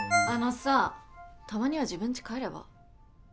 あのさたまには自分ち帰れば？